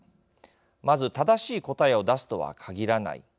まず正しい答えを出すとは限らない。